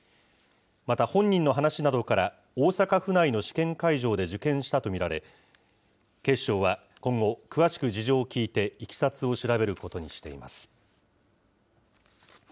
また本人の話などから、大阪府内の試験会場で受験したと見られ、警視庁は今後、詳しく事情を聴いていきさつを調べることにしています。